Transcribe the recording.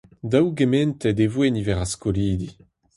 Daougementet e voe niver ar skolidi.